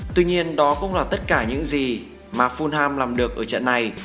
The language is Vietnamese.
tuy nhiên đó cũng là tất cả những gì mà fulham làm được ở trận này